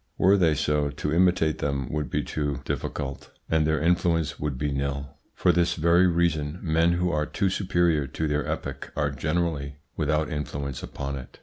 Were they so, to imitate them would be too difficult and their influence would be nil. For this very reason men who are too superior to their epoch are generally without influence upon it.